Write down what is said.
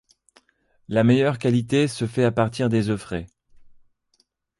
La meilleure qualité se fait à partir des œufs frais.